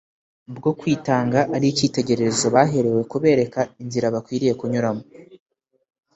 bwo kwitanga ari icyitegererezo baherewe kubereka inzira bakwiriye kunyuramo.